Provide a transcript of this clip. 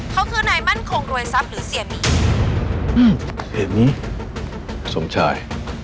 เค้าคือนายมั่นคงรวยซักหรือเสียบี